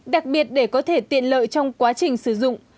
đặc biệt để có thể tiện lợi trong quá trình sử dụng